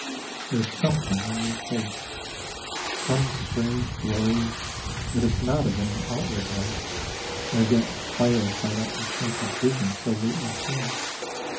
There is something in your face, some strange glory that is not of any outward light, nor yet inspired by that enchanted vision so lately seen.